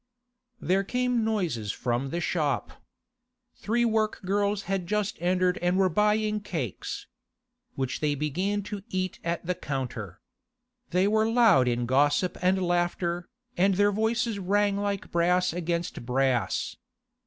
There came noises from the shop. Three work girls had just entered and were buying cakes, which they began to eat at the counter. They were loud in gossip and laughter, and their voices rang like brass against brass.